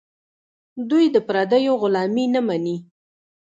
دوی د پردیو غلامي نه مني.